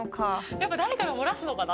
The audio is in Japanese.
やっぱ誰かが漏らすのかな？